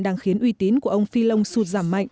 đang khiến uy tín của ông fillon sụt giảm mạnh